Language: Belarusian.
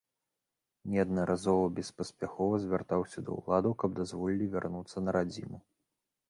Неаднаразова беспаспяхова звяртаўся да ўладаў каб дазволілі вярнуцца на радзіму.